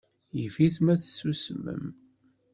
Yif-it ma tsusmem.